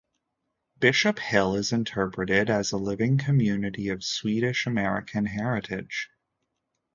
Bishop Hill is interpreted as a living community of Swedish-American heritage.